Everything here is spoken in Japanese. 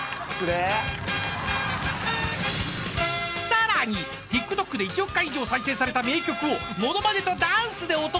［さらにＴｉｋＴｏｋで１億回以上再生された名曲をものまねとダンスでお届け］